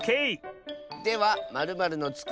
では○○のつく